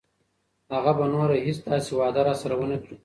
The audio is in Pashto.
هغه به نوره هیڅ داسې وعده راسره ونه کړي.